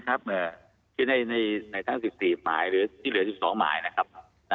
ครับนี้นะครับในทั้ง๑๔หมายหรือที่เหลือ๑๒หมายนะครับ